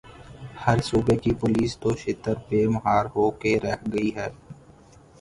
ہر صوبے کی پولیس تو شتر بے مہار ہو کے رہ گئی ہے۔